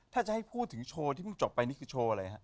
ถ้าจะให้พูดถึงโชว์ที่เพิ่งจบไปนี่คือโชว์อะไรฮะ